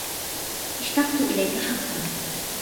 اشتقت إليك حقا